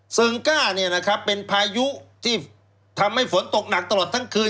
ซึงก้าเป็นพายุที่ทำให้ฝนตกหนักตลอดทั้งคืน